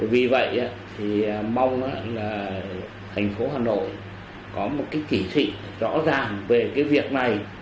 vì vậy thì mong là thành phố hà nội có một cái chỉ thị rõ ràng về cái việc này